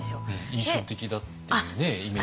印象的だっていうねイメージが。